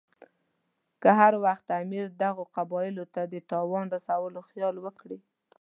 که هر وخت امیر دغو قبایلو ته د تاوان رسولو خیال وکړي.